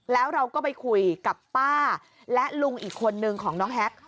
แล้วเราก็ไปคุยกับป้าและลุงอีกคนนึงของน้องแฮ็ก